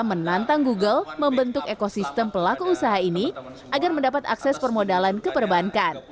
menantang google membentuk ekosistem pelaku usaha ini agar mendapat akses permodalan ke perbankan